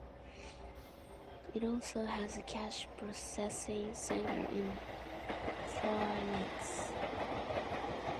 It also has a cash processing center in Phoenix.